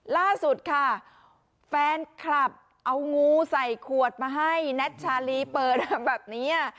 ล่าสุดค่ะแฟนคลับเอางูใส่ขวดมาให้แน็ตชาลีเปิดแบบนี้